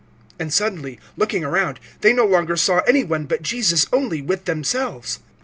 (8)And suddenly, looking around, they no longer saw any one, but Jesus only with themselves.